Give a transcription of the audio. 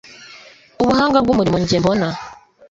Ubuhanga bw’umurimo nge mbona